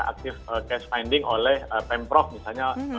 aktif cash finding oleh pemprov misalnya